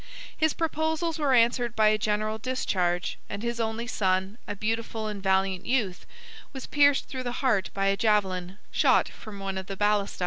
His proposals were answered by a general discharge, and his only son, a beautiful and valiant youth, was pierced through the heart by a javelin, shot from one of the balistæ.